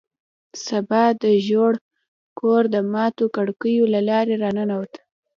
سبا د زوړ کور د ماتو کړکیو له لارې راننوت